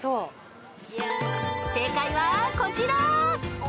［正解はこちら］